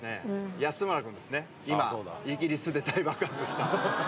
安村君ですね、今、イギリスで大爆発した。